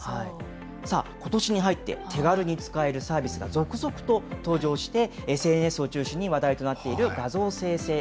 さあ、ことしに入って手軽に使えるサービスが続々と登場して、ＳＮＳを中心に話題となっている画像生成ＡＩ。